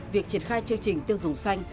việc triển khai chương trình tiêu dùng xanh